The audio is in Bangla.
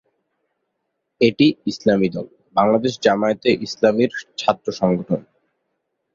এটি ইসলামী দল বাংলাদেশ জামায়াতে ইসলামীর ছাত্র সংগঠন।